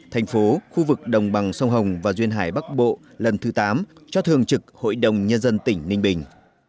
thành phố khu vực đồng bằng sông hồng và duyên hải bắc bộ lần thứ tám cho thường trực hội đồng nhân dân tỉnh ninh bình